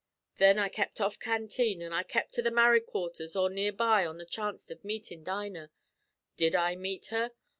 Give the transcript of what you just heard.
Thin I kept off canteen, an' I kept to the married quarthers or near by on the chanst av meetin' Dinah. Did I meet her?